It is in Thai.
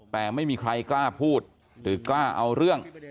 แต่ไม่มีใครกล้าพูดหรือกล้าเอาเรื่อง